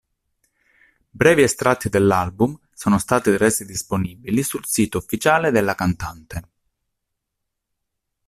Brevi estratti dell'album sono stati resi disponibili sul sito ufficiale della cantante.